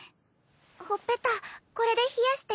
ほっぺたこれで冷やして。